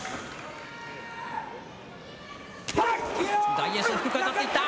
大栄翔、低く当たっていった。